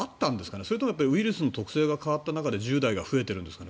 それともウイルスの特性が変わった中で１０代が増えてるんですかね。